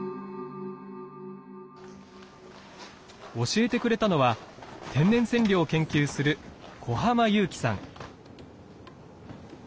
教えてくれたのは天然染料を研究する古濱裕樹さん。